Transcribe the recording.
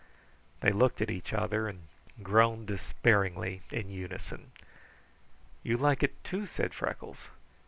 They looked at each other, and groaned despairingly in unison. "You like it, too," said Freckles.